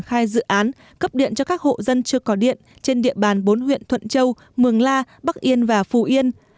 khai dự án cấp điện cho các hộ dân chưa có điện trên địa bàn bốn huyện thuận châu mường la bắc yên